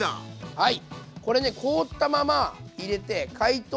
はい。